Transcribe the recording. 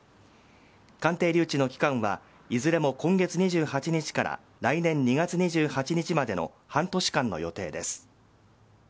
鑑定留置の期間はいずれも今月２８日から来年２月２８日までの半年間の予定です。